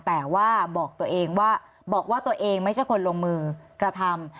แต่ว่าบอกว่าตัวเองไม่ใช่คนลงมือกระทำ